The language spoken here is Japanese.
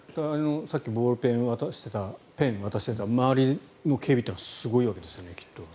さっきボールペンを渡してたその周りの警備っていうのはすごいわけですよね、きっと。